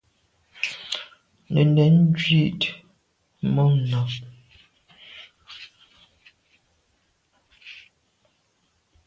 Á nèn njwit mum nà.